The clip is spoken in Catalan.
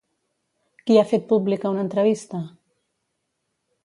Qui ha fet pública una entrevista?